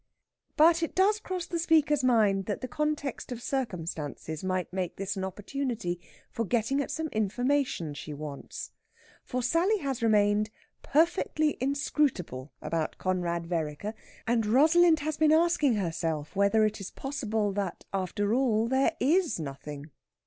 But it does cross the speaker's mind that the context of circumstances might make this an opportunity for getting at some information she wants. For Sally has remained perfectly inscrutable about Conrad Vereker, and Rosalind has been asking herself whether it is possible that, after all, there is nothing.